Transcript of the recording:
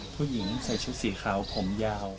ผู้หญิงใส่ชุดสีขาวผมยาว